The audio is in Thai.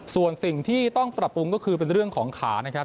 ส่วนสิ่งที่ต้องปรับปรุงก็คือเป็นเรื่องของขานะครับ